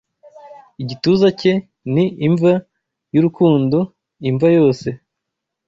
Igituza cye ni imva yurukundo-imva-yose